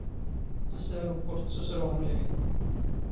ⴰⵙⴰⵔⵓⴼ ⵓⵔ ⵜⵜ ⵙⵓⵙⵔⵓⵖ ⵎⵍⵉⵃ.